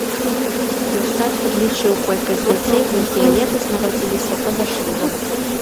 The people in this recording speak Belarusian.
Белстат падлічыў колькасць дзяцей, якія летась нарадзіліся па-за шлюбам.